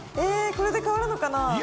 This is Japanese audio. これで変わるのかな？